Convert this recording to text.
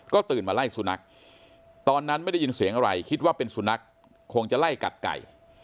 ก็ตื่นมาไล่สุนัขตอนนั้นไม่ได้ยินเสียงอะไรคิดว่าเป็นสุนัขคงจะไล่กัดไก่